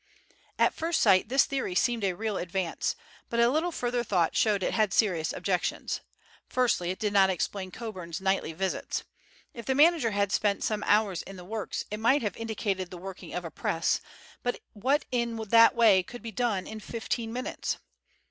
At first sight this theory seemed a real advance, but a little further thought showed it had serious objections. Firstly, it did not explain Coburn's nightly visits. If the manager had spent some hours in the works it might have indicated the working of a press, but what in that way could be done in fifteen minutes?